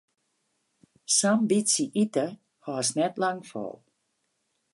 Sa'n bytsje ite hâldst net lang fol.